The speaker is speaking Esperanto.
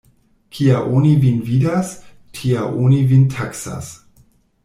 Kia oni vin vidas, tia oni vin taksas.